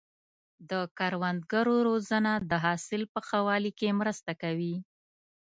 د کروندګرو روزنه د حاصل په ښه والي کې مرسته کوي.